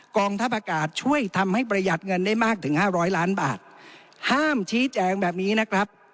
กองทัพอากาศช่วยทำให้ประหยัดเงินได้มากถึงห้าร้อยล้านบาทห้ามชี้แจงแบบนี้นะครับ